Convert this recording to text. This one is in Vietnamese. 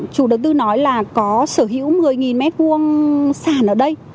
chủ đầu tư nói là có sở hữu một mươi m hai sàn ở đây